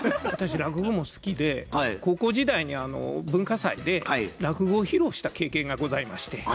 私落語も好きで高校時代に文化祭で落語を披露した経験がございまして。